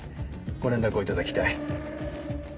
ご連絡をいただきたい。